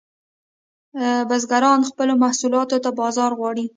بزګران خپلو محصولاتو ته بازار غواړي